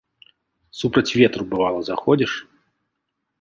Супраць ветру, бывала, заходзіш.